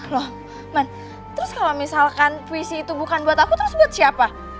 loh man terus kalau misalkan puisi itu bukan buat aku terus buat siapa